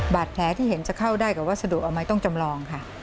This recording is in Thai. บาดแผลที่เห็นจะเข้าได้กับวัสดุเอาไหมต้องจำลองค่ะ